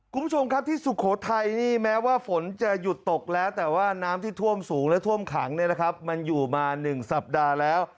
คุณผู้ชมครับที่สุโขทัยนี่แม้ว่าฝนจะหยุดตกแล้วแต่ว่าน้ำที่ท่วมสูงและท่วมขังเนี่ยนะครับมันอยู่มา๑สัปดาห์แล้ว